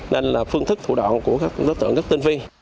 nên là phương thức thủ đoạn của các đối tượng rất tinh vi